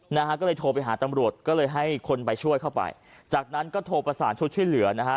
นะฮะก็เลยโทรไปหาตำรวจก็เลยให้คนไปช่วยเข้าไปจากนั้นก็โทรประสานชุดช่วยเหลือนะฮะ